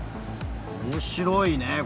面白いね。